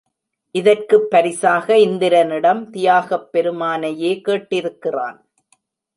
இதற்குப் பரிசாக இந்திரனிடம் தியாகப் பெருமானையே கேட்டிருக்கிறான்.